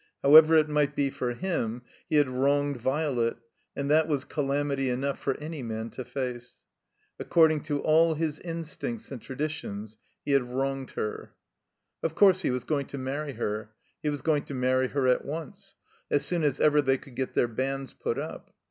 However it might be for him» he had wronged Violet, and that was calamity enough for any man to face. According to aU his instincts and traditions, he had wronged her. Of course, he was going to marry her. He was going to marry her at once ; as soon as ever they could get their banns put up.